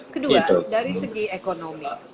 kedua dari segi ekonomi